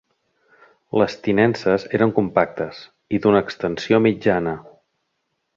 Les tinences eren compactes i d’una extensió mitjana.